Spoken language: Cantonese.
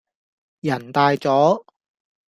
人大咗